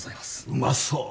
うまそう。